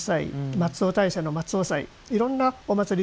松尾大社の松尾祭いろんなお祭り